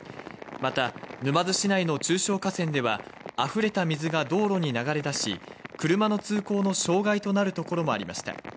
また、沼津市内の中小河川では溢れた水が道路に流れ出し、車の通行の障害となるところもありました。